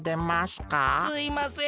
すいません。